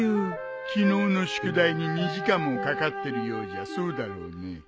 昨日の宿題に２時間もかかってるようじゃそうだろうね。